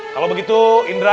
kalau begitu indra